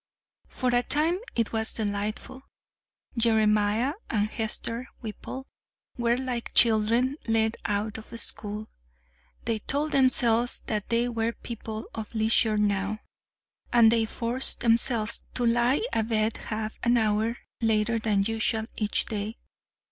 For a time it was delightful. Jeremiah and Hester Whipple were like children let out of school. They told themselves that they were people of leisure now, and they forced themselves to lie abed half an hour later than usual each day.